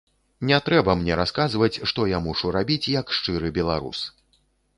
Не трэба мне расказваць, што я мушу рабіць як шчыры беларус.